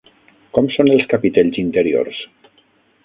Com són els capitells interiors?